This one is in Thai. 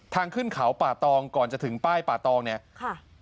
ทางขึ้นเขาป่าตองก่อนจะถึงป้ายป่าตองเนี่ยค่ะ